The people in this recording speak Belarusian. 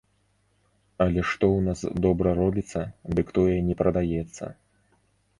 Але што ў нас добра робіцца, дык тое не прадаецца.